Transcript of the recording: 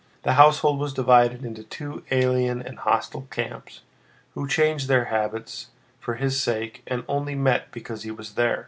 The household was divided into two alien and hostile camps, who changed their habits for his sake and only met because he was there.